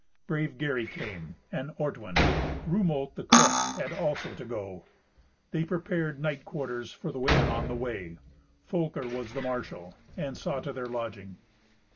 Brave Gary came, and Ortwin. Rumolt the cook had also to go. They prepared night quarters for the women on the way. Folker was the marshal, and saw to their lodging.